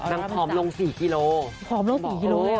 นางผอมลง๔กิโลกรัมผอมลง๔กิโลกรัมหรอ